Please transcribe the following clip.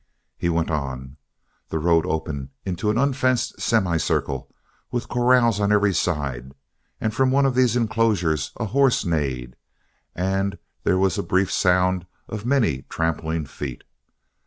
He went on. The road opened into an unfenced semicircle with corrals on every side and from one of these enclosures a horse neighed, and there was a brief sound of many trampling feet.